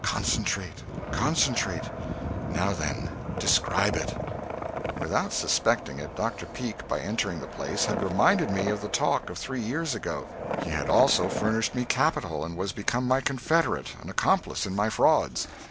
Concentrate concentrate. Now then describe it." Without suspecting it, Dr. Peake, by entering the place, had reminded me of the talk of three years before. He had also furnished me capital and was become my confederate, an accomplice in my frauds.